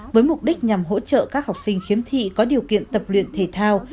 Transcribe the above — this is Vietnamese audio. với mục đích nhằm hỗ trợ các học sinh khiếm thị có điều kiện tập luyện thể thao